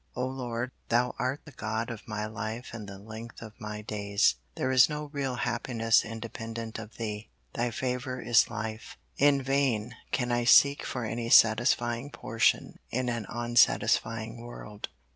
O Lord, Thou art the God of my life and the length of my days. There is no real happiness independent of Thee. Thy favor is life. In vain can I seek for any satisfying portion in an unsatisfying world.